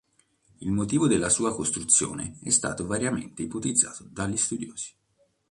Il motivo della sua costruzione è stato variamente ipotizzato dagli studiosi.